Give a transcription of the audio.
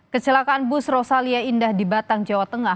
kecelakaan bus rosalia indah di batang jawa tengah